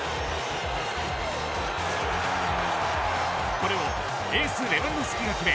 これをエースレヴァンドフスキが決め